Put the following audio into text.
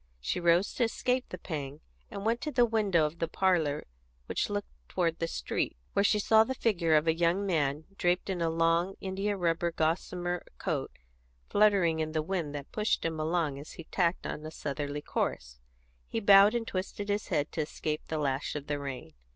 She rose to escape the pang, and went to the window of the parlour which looked toward the street, where she saw the figure of a young man draped in a long indiarubber gossamer coat fluttering in the wind that pushed him along as he tacked on a southerly course; he bowed and twisted his head to escape the lash of the rain.